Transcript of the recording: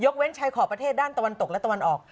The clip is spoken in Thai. เว้นชายขอบประเทศด้านตะวันตกและตะวันออก